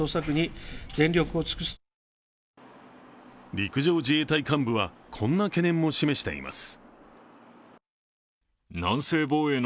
陸上自衛隊幹部は、こんな懸念も示しています。